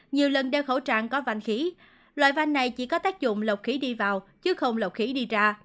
nhiều lần đeo khẩu trang có vanh khí loại vanh này chỉ có tác dụng lọc khí đi vào chứ không lọc khí đi ra